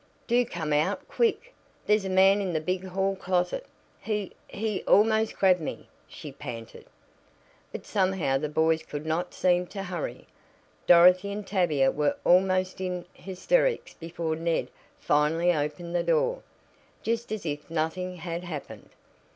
"Do come out quick! There's a man in the big hall closet! He he almost grabbed me!" she panted. But somehow the boys could not seem to hurry. Dorothy and Tavia were almost in hysterics before Ned finally opened the door, just as if nothing had happened.